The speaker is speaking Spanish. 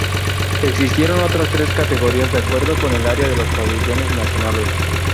Existieron otras tres categorías de acuerdo con el área de los pabellones nacionales.